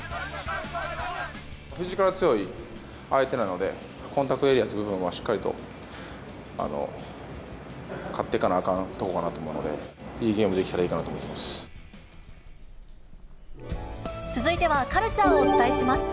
フィジカル強い相手なので、コンタクトエリアの部分は、しっかりと勝ってかなあかんとこかなと思うので、いいゲームでき続いてはカルチャーをお伝えします。